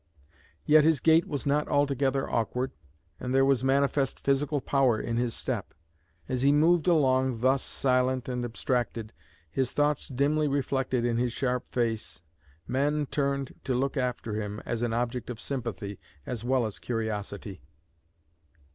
Yet his gait was not altogether awkward, and there was manifest physical power in his step. As he moved along thus, silent and abstracted, his thoughts dimly reflected in his sharp face, men turned to look after him as an object of sympathy as well as curiosity.